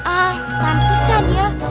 ah nanti san ya